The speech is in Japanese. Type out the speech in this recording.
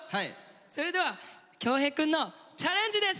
それでは恭平くんのチャレンジです！